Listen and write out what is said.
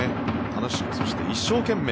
楽しく、そして一生懸命。